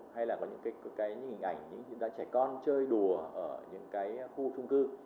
hay là có những cái nhìn ảnh những người trẻ con chơi đùa ở những cái khu chung cư